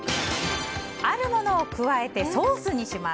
あるものを加えてソースにします。